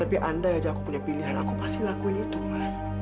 tapi andai aja aku punya pilihan aku pasti lakuin itu mbak